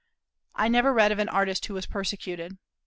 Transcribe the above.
I never read of an artist who was persecuted.